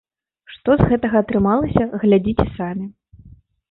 Што з гэтага атрымалася, глядзіце самі.